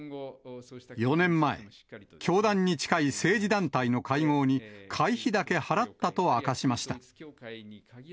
４年前、教団に近い政治団体の会合に、会費だけ払ったと明かしました。